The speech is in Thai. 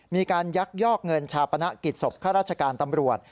มีการยักยอกเงินชาปนกิจศพข้าราชการตำรวจ